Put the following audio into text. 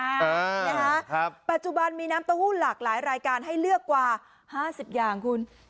นะฮะปัจจุบันมีน้ำเต้าหู้หลากหลายรายการให้เลือกกว่าห้าสิบอย่างคุณ